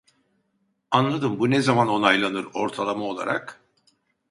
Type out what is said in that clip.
Anladım bu ne zaman onaylanır ortalama olarak